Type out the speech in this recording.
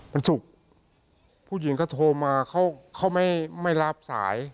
วันศุกร์ผู้หญิงก็โทรมาเขาไม่รับสาย